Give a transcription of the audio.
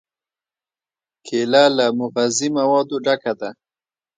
کېله له مغذي موادو ډکه ده.